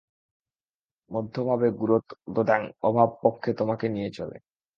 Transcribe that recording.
মধ্বভাবে গুড়ং দদ্যাৎ, অভাবপক্ষে তোমাকে নিয়ে চলে।